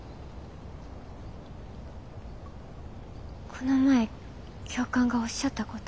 この前教官がおっしゃったこと。